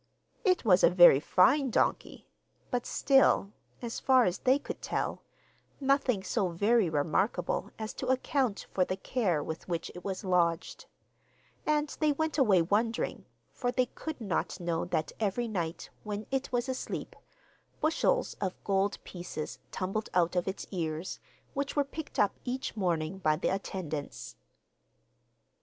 It was a very fine donkey; but still, as far as they could tell, nothing so very remarkable as to account for the care with which it was lodged; and they went away wondering, for they could not know that every night, when it was asleep, bushels of gold pieces tumbled out of its ears, which were picked up each morning by the attendants.